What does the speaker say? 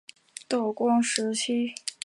道光十七年丁酉科翻译乡试翻译举人。